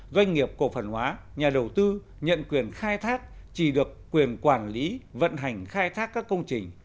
doanh nghiệp cổ phần hóa nhà đầu tư nhận quyền khai thác chỉ được quyền quản lý vận hành khai thác các công trình